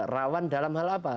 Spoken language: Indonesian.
rawan dalam hal apa